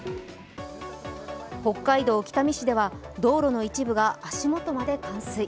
北海道北見市では道路の一部が足元まで冠水。